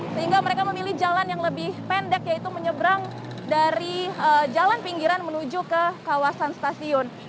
sehingga mereka memilih jalan yang lebih pendek yaitu menyeberang dari jalan pinggiran menuju ke kawasan stasiun